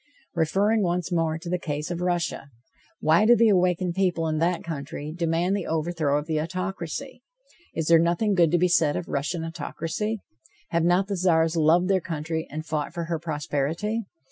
Referring once more to the case of Russia: Why do the awakened people in that country demand the overthrow of the autocracy? Is there nothing good to be said of Russian autocracy? Have not the Czars loved their country and fought for her prosperity?